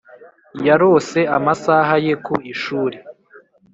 yarose amasaha ye ku ishuri;